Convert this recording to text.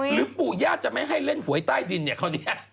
ปู่ญาติจะไม่ให้เล่นหวยใต้ดินเนี่ยคราวนี้